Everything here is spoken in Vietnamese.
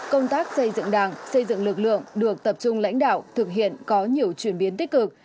công tác xây dựng đảng xây dựng lực lượng được tập trung lãnh đạo thực hiện có nhiều chuyển biến tích cực